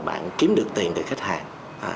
bạn kiếm được tiền từ khách hàng